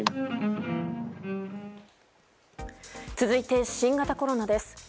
続いて、新型コロナです。